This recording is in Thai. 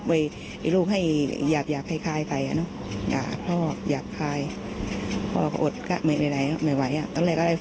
เหลวน้องวิชาติสองป่าปึกป่าและเนี่ยทุกอย่าง